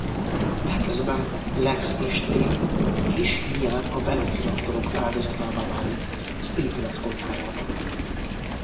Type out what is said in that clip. Eközben Lex és Tim kis híján a Velociraptorok áldozatává válik az épület konyhájában.